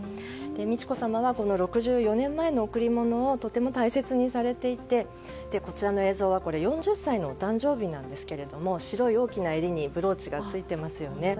美智子さまはこの６４年前の贈り物をとても大切にされていてこちらの映像は４０歳のお誕生日なんですけれども白い大きな襟にブローチがついていますね。